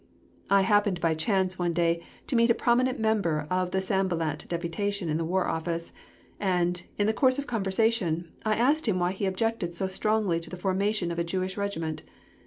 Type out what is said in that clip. I happened by chance one day to meet a prominent member of the Sanballat deputation in the War Office, and, in the course of conversation, I asked him why he objected so strongly to the formation of a Jewish Regiment.